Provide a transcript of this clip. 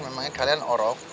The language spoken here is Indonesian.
memangnya kalian orok